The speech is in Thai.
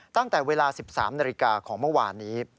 ตั้งแต่เวลา๑๓นาฬิกาของเมื่อวานนี้